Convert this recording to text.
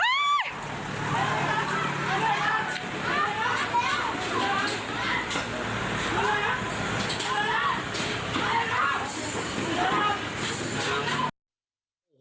มาเร็ว